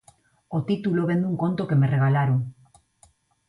O título vén dun conto que me regalaron.